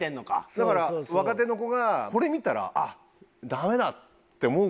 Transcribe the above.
だから若手の子がこれ見たら「あっダメだ」って思うぐらい。